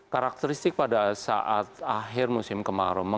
karakteristik pada saat akhir musim kemarau